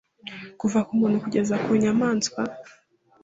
kuva ku muntu kugeza ku nyamaswa,